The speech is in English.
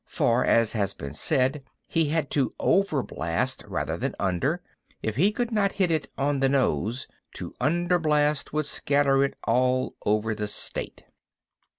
For, as has been said, he had to over blast, rather than under , if he could not hit it "on the nose:" to under blast would scatter it all over the state.